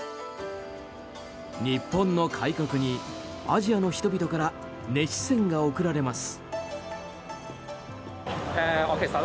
日本の開国に、アジアの人々から熱視線が送られます。